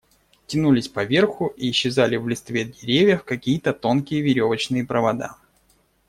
Тянулись поверху и исчезали в листве деревьев какие-то тонкие веревочные провода.